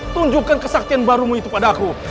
tunjukkan kesaktian barumu itu padaku